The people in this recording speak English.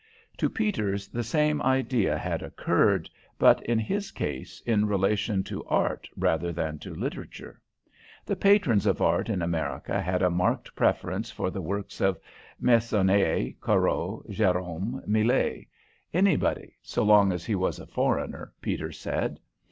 To Peters the same idea had occurred, but in his case in relation to art rather than to literature. The patrons of art in America had a marked preference for the works of Meissonier, Corot, Gérôme, Millet anybody, so long as he was a foreigner, Peters said.